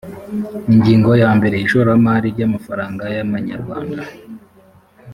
ingingo yambere ishoramari ry amafaranga yamanyarwanda